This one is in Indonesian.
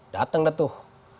dateng dah tuh